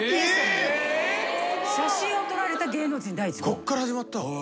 こっから始まった。